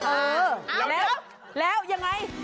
เออแล้วยังไง